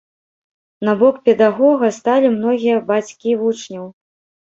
На бок педагога сталі многія бацькі вучняў.